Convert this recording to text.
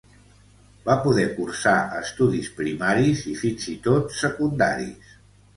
Va poder cursar estudis primaris i fins i tot secundaris.